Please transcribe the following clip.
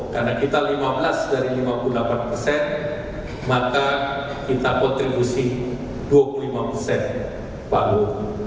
karena kita lima belas dari lima puluh delapan persen maka kita kontribusi dua puluh lima persen pak prabowo